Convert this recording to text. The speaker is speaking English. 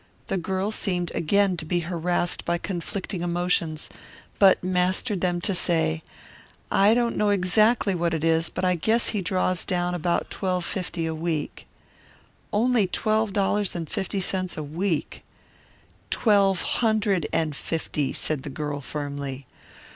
The girl seemed again to be harassed by conflicting emotions, but mastered them to say, "I don't know exactly what it is, but I guess he draws down about twelve fifty a week." "Only twelve dollars and fifty cents a week!" "Twelve hundred and fifty," said the girl firmly.